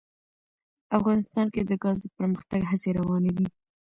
افغانستان کې د ګاز د پرمختګ هڅې روانې دي.